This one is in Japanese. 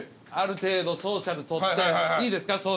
ある程度ソーシャル取っていいですか？